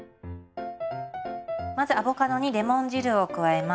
まずアボカドにレモン汁を加えます。